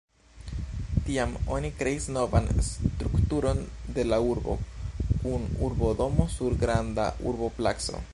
Tiam oni kreis novan strukturon de la urbo kun urbodomo sur granda urboplaco.